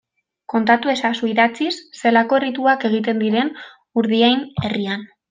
Kontatu ezazu idatziz zelako errituak egiten diren Urdiain herrian.